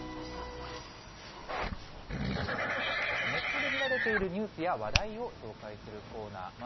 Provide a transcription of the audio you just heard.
ネットで見られているニュースや話題を紹介するコーナー。